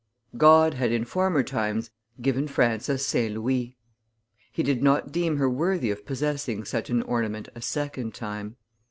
God had in former times given France a St. Louis. He did not deem her worthy of possessing such an ornament a second time.